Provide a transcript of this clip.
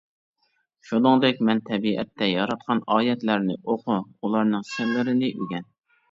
شۇنىڭدەك، مەن تەبىئەتتە ياراتقان ئايەتلەرنى ئوقۇ، ئۇلارنىڭ سىرلىرىنى ئۆگەن!